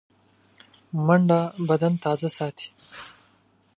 منډه بدن تازه ساتي